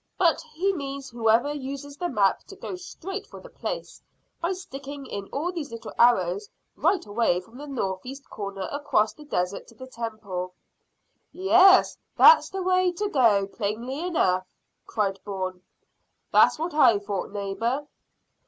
But he means whoever uses the map to go straight for the place, by sticking in all these little arrows right away from the north east corner across the desert to the temple." "Yes, that's the way to go, plainly enough," cried Bourne. "That's what I thought, neighbour."